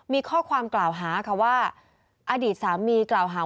มีข้อความกล่าวหาค่ะว่าอดีตสามีกล่าวหา